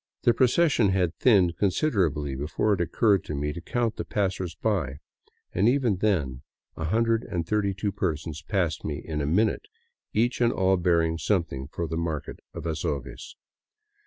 The procession had thinned considerably before it occurred to me to count the passersby, and even then 132 persons passed me in a minute, each and all bearing something for the market of Azogues.